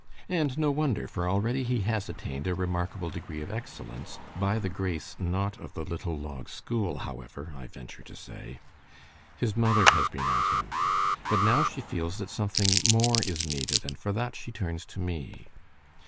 And no wonder, for already he has attained a remarkable degree of excellence, by the grace, not of the little log school, however, I venture to shy. His mother has been at him. But now she feels that something more is needed, and for that she turns to me.